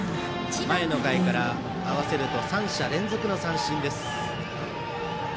前の回から合わせると３者連続の三振です。